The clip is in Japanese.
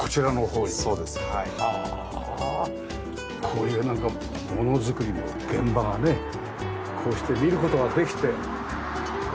こういうなんかものづくりの現場がねこうして見る事ができて。